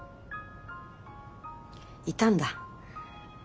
いたんだ。